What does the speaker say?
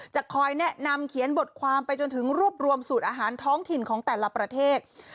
จะคอยแนะนำเขียนบทความไปจนถึงรวบรวมสูตรอาหารท้องถิ่นของแต่ละประเทศ